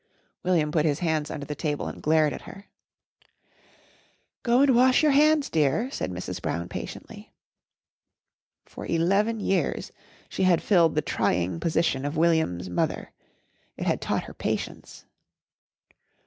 William put his hands under the table and glared at her. "Go and wash your hands, dear," said Mrs. Brown patiently. For eleven years she had filled the trying position of William's mother. It had taught her patience.